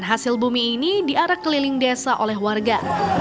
dan hasil bumi ini diarah keliling desa oleh warga